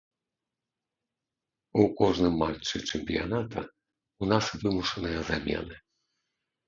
У кожным матчы чэмпіяната ў нас вымушаныя замены.